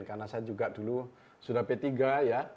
karena saya juga dulu sudah p tiga ya